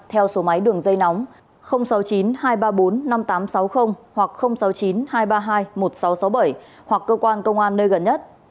theo số máy đường dây nóng sáu mươi chín hai trăm ba mươi bốn năm nghìn tám trăm sáu mươi hoặc sáu mươi chín hai trăm ba mươi hai một nghìn sáu trăm sáu mươi bảy hoặc cơ quan công an nơi gần nhất